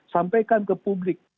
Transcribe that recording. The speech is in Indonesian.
sampaikan ke publik